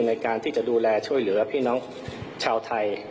ในการที่จะดูแลช่วยเหลือพี่น้องชาวไทย